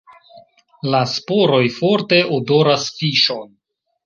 La sporoj forte odoras fiŝon.